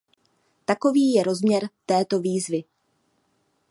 Takový je rozměr této výzvy.